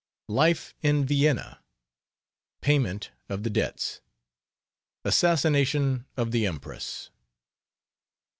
LIFE IN VIENNA. PAYMENT OF THE DEBTS. ASSASSINATION OF THE EMPRESS.